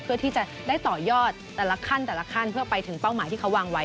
เพื่อที่จะได้ต่อยอดแต่ละขั้นแต่ละขั้นเพื่อไปถึงเป้าหมายที่เขาวางไว้